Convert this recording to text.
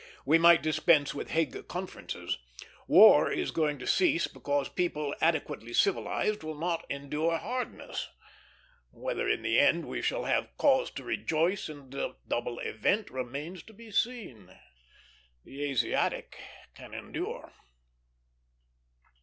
We might dispense with Hague Conferences. War is going to cease because people adequately civilized will not endure hardness. Whether in the end we shall have cause to rejoice in the double event remains to be seen. The Asiatic can endure.